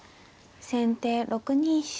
先手６二飛車。